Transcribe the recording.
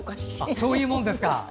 そういうものですか。